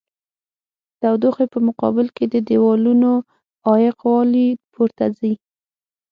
د تودوخې په مقابل کې د دېوالونو عایق والي پورته ځي.